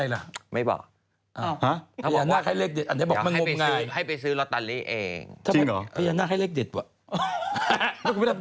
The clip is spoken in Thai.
กระเทยเก่งกว่าเออแสดงความเป็นเจ้าข้าว